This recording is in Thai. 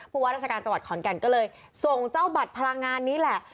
ว่าราชการจังหวัดขอนแก่นก็เลยส่งเจ้าบัตรพลังงานนี้แหละ